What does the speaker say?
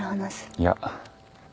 いや。